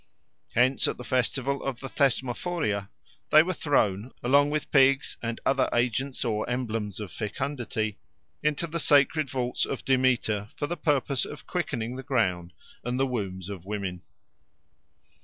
Hence at the festival of the Thesmophoria they were thrown, along with pigs and other agents or emblems of fecundity, into the sacred vaults of Demeter for the purpose of quickening the ground and the wombs of women.